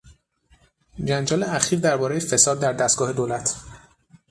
جنجال اخیر دربارهی فساد در دستگاه دولت